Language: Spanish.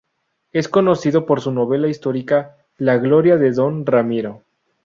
Es conocido por su novela histórica "La gloria de don Ramiro".